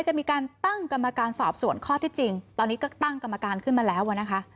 จะมีการตั้งกรรมการสอบส่วนข้อที่จริงตอนนี้ก็ตั้งกรรมการขึ้นมาแล้วอ่ะนะคะ